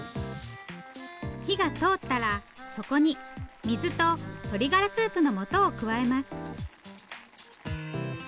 火が通ったらそこに水と鶏ガラスープのもとを加えます。